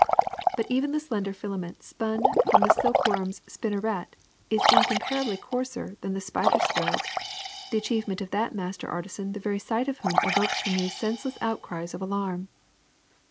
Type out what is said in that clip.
^' But even the slender filament spun from the silk worm 's spinneret is incomparably coarser than the spider's thread, the achievement of that master artisan the very sight of whom evokes from you senseless outcries of alarm.